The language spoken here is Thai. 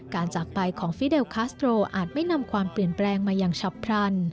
จากไปของฟิเดลคาสโตรอาจไม่นำความเปลี่ยนแปลงมาอย่างฉับพลัน